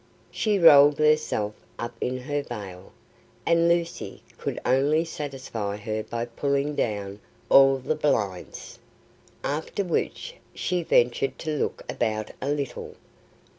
She rolled herself up in her veil, and Lucy could only satisfy her by pulling down all the blinds, after which she ventured to look about a little.